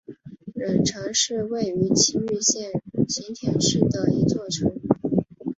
忍城是位在崎玉县行田市的一座城。